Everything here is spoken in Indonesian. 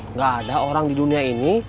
nggak ada orang di dunia ini